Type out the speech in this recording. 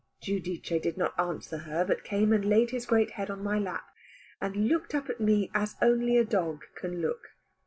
Giudice did not answer her, but came and laid his great head on my lap, and looked up at me as only a dog can look.